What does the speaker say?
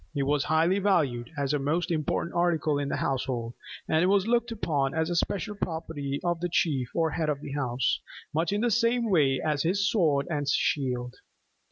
It was highly valued, as a most important article in the household; and it was looked upon as the special property of the chief or head of the house much in the same way as his sword and shield.